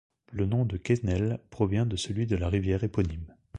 Le nom de Quesnel provient de celui de la rivière éponyme.